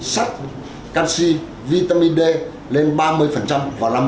sắt canxi vitamin d lên ba mươi vào năm hai nghìn hai mươi